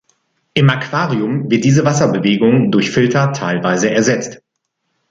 Im Aquarium wird diese Wasserbewegung durch Filter teilweise ersetzt.